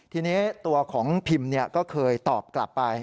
ทีนี้ตัวของพิมก็เคยตอบกลับไป